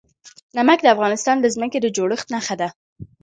نمک د افغانستان د ځمکې د جوړښت نښه ده.